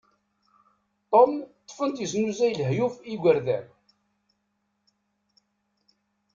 Tom ṭṭfen-t yeznuzay lehyuf i igerdan.